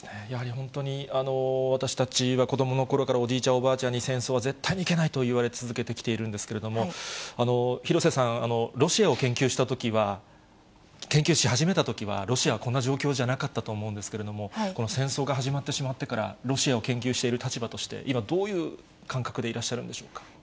やはり本当に私たちは子どものころからおじいちゃん、おばあちゃんに、戦争は絶対にいけないと言われ続けているんですけれども、廣瀬さん、ロシアを研究したときは、研究し始めたときは、ロシアはこんな状況じゃなかったと思うんですけれども、戦争が始まってしまってから、ロシアを研究している立場として、今、どういう感覚でいらっしゃるんでしょうか。